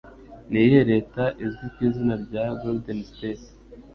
Ni iyihe Leta izwi ku izina rya Golden State